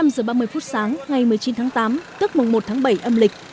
năm giờ ba mươi phút sáng ngày một mươi chín tháng tám tức mùng một tháng bảy âm lịch